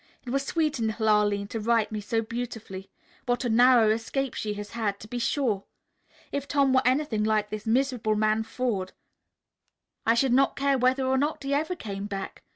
It was sweet in little Arline to write me so beautifully. What a narrow escape she has had, to be sure! If Tom were anything like this miserable man, Forde, I should not care whether or not he ever came back.